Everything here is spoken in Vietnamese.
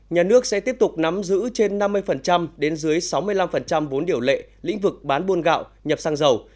nhà nước sẽ tiếp tục nắm giữ trên năm mươi đến dưới sáu mươi năm vốn điều lệ lĩnh vực bán buôn gạo nhập xăng dầu